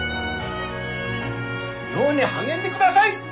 漁に励んでください！